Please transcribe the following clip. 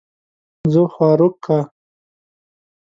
زۀ خواروک کۀ